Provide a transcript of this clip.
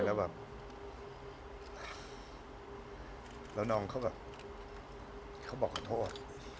แล้วน้องเขาเลยบอกขอโทษ